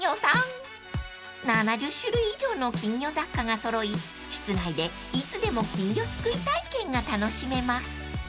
［７０種類以上の金魚雑貨が揃い室内でいつでも金魚すくい体験が楽しめます］